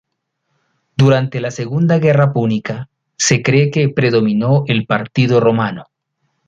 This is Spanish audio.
Durante la segunda guerra púnica, se cree que predominó el partido romano.